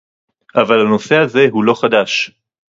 אבל הנושא הזה הוא לא חדש